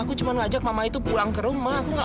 aku cuma ngajak mama itu pulang ke rumah